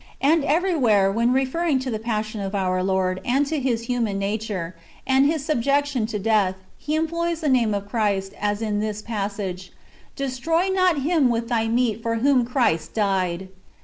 And everywhere, when [referring to] the passion of our Lord, and to His human nature, and His subjection to death, he employs the name of Christ, as in that passage: ^'Destroy not him with thy meat for whom Christ died."